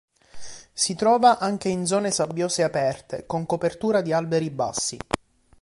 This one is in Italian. Si trova anche in zone sabbiose aperte con copertura di alberi bassi.